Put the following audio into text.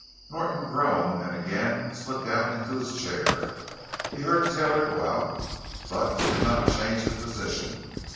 Norton groaned and again slid down into his chair. He heard Taylor go out, but he did not change his position.